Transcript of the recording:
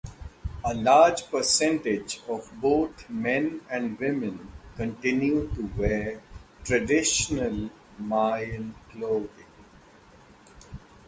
A large percentage of both men and women continue to wear traditional Mayan clothing.